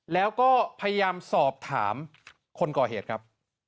แล้วก็พยายามสอบถามคนก่อเหตุครับ